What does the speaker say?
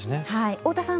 太田さん